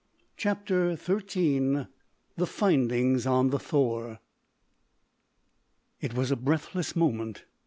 CHAPTER XVIII THE FINDINGS ON THE "THOR" It was a breathless moment.